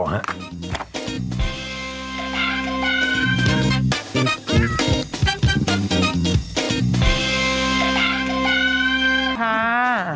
มาก